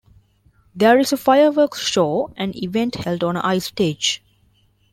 There is a fireworks show and events held on an ice stage.